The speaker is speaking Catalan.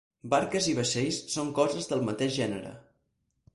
Barques i vaixells són coses del mateix gènere.